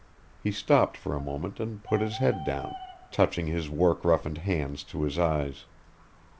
He stopped for a moment and put his head down, touching his work roughened hands to his eyes.